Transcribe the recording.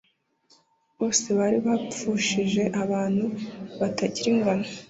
bose bari bapfushije abantu batagira ingano